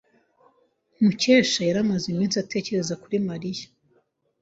Mukesha yari amaze iminsi atekereza kuri Mariya.